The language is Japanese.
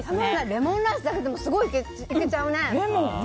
レモンライスだけでもすごいいけちゃうね。